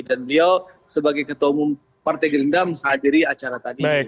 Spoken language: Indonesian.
dan beliau sebagai ketua umum partai gelendam hadiri acara tadi